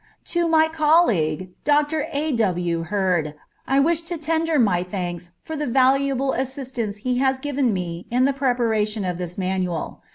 To my colleague, Dr. A. W. Hurd, I wish to tender my thanks for the valuable assistance he has given me in the preparation of this manual.